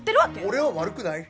俺は悪くない。